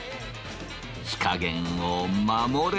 火加減を守れば。